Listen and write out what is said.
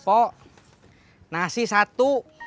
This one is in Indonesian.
pok nasi satu